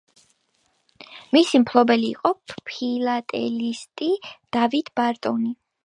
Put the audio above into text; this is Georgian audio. მისი მფლობელი იყო ფილატელისტი დავიდ ბარტონი.